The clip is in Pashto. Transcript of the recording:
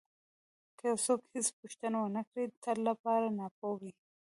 که یو څوک هېڅ پوښتنه ونه کړي د تل لپاره ناپوه وي.